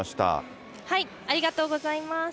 ありがとうございます。